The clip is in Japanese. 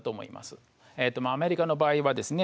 アメリカの場合はですね